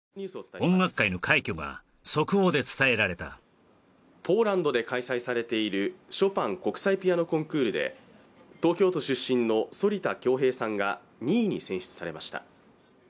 音楽界の快挙が速報で伝えられたポーランドで開催されているショパン国際ピアノコンクールで東京都出身の反田恭平さんが２位に選出されました